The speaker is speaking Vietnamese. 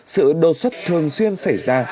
sự đột xuất thường xuyên xảy ra